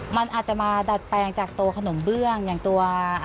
มันอาจจะมาดัดแปลงจากตัวขนมเบื้องอย่างตัว